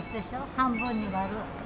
半分に割る。